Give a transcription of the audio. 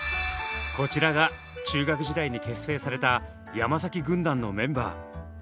こちらが中学時代に結成された山崎軍団のメンバー。